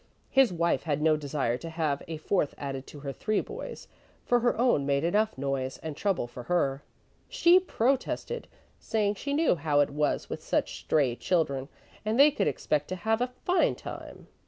His wife had no desire to have a fourth added to her three boys, for her own made enough noise and trouble for her. She protested, saying she knew how it was with such stray children and they could expect to have a fine time!